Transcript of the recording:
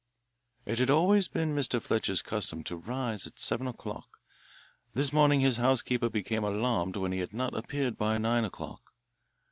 It had always been Mr. Fletcher's custom to rise at seven o'clock. This morning his housekeeper became alarmed when he had not appeared by nine o'clock.